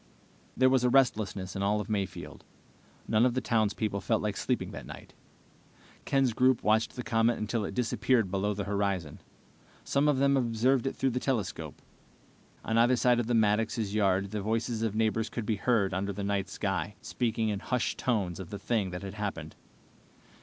There was a restlessness in all of Mayfield. None of the townspeople felt like sleeping that night. Ken's group watched the comet until it disappeared below the horizon. Some of them observed it through the telescope. On either side of the Maddoxes' yard the voices of neighbors could be heard under the night sky, speaking in hushed tones of the thing that had happened.